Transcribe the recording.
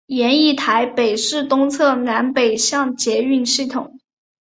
研议台北市东侧南北向捷运系统。